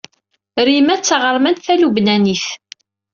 Rima d taɣermant talubnanit.